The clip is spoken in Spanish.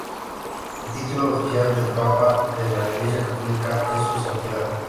El título oficial del papa de la Iglesia Católica es "su santidad".